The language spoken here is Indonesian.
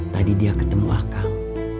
tadi dia ketembakang